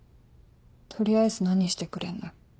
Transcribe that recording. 取りあえず何してくれんの？